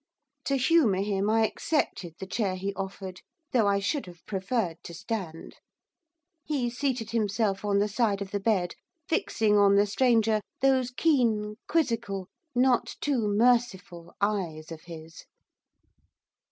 To humour him I accepted the chair he offered, though I should have preferred to stand; he seated himself on the side of the bed, fixing on the stranger those keen, quizzical, not too merciful, eyes of his.